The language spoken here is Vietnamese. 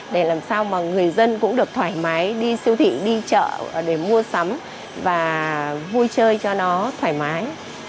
để làm sao mà người dân cũng được thoải mái đi siêu thị đi chợ để mua sắm và vui chơi cho nó thoải mái